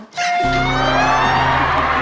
ได้ยินไหม